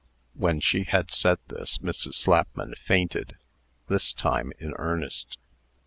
When she had said this, Mrs. Slapman fainted this time in earnest.